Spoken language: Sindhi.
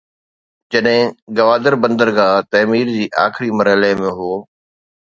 جڏهن گوادر بندرگاهه تعمير جي آخري مرحلي ۾ هو.